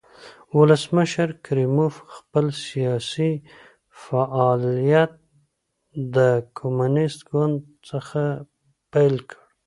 ولسمشر کریموف خپل سیاسي فعالیت د کمونېست ګوند څخه پیل کړ.